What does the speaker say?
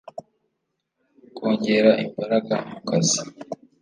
kongera imbaraga mu kazi